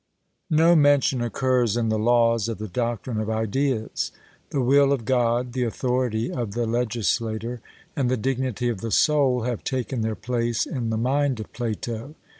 No mention occurs in the Laws of the doctrine of Ideas. The will of God, the authority of the legislator, and the dignity of the soul, have taken their place in the mind of Plato.